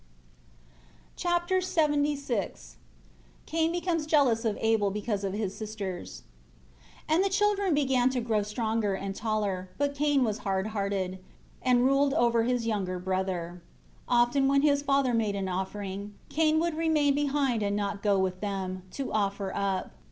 Chapter LXXVI Cain becomes jealous of Abel because of his sisters. 1 And the children began to grow stronger and taller; but Cain was hard hearted, and ruled over his younger brother. 2 Often when his father made an offering, Cain would remain behind and not go with them, to offer up.